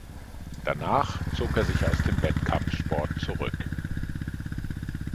Danach zog er sich aus dem Wettkampfsport zurück.